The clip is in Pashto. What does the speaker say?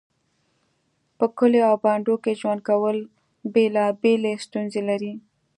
په کليو او بانډو کې ژوند کول بيلابيلې ستونزې لري